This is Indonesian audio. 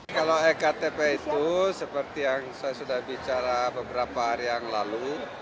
kalau ektp itu seperti yang saya sudah bicara beberapa hari yang lalu